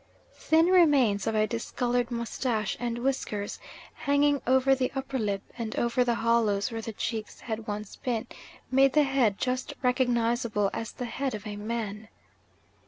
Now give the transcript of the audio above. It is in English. Thin remains of a discoloured moustache and whiskers, hanging over the upper lip, and over the hollows where the cheeks had once been, made the head just recognisable as the head of a man.